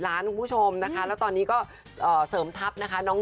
และตอนนี้ก็เสริมทัพนะคะ